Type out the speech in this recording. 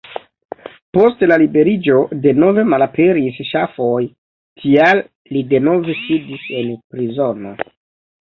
Post la liberiĝo denove malaperis ŝafoj, tial li denove sidis en prizono.